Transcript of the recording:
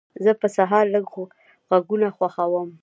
زه په سهار لږ غږونه خوښوم.